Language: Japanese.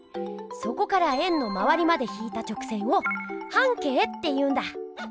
そこから円のまわりまで引いた直線を「半径」っていうんだ。